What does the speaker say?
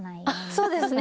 そうですね。